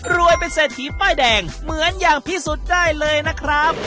เป็นเศรษฐีป้ายแดงเหมือนอย่างพิสูจน์ได้เลยนะครับ